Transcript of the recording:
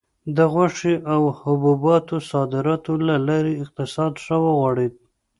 د غوښې او حبوباتو صادراتو له لارې اقتصاد ښه وغوړېد.